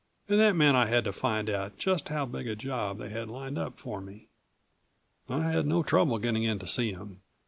And that meant I had to find out just how big a job they had lined up for me. I had no trouble getting in to see him.